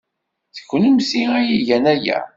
D kennemti ay igan aya.